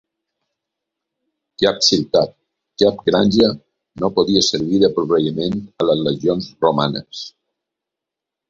Cap ciutat, cap granja no podia servir de proveïment a les legions romanes.